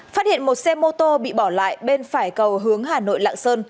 phát hiện một xe mô tô bị bỏ lại bên phải cầu hướng hà nội lạng sơn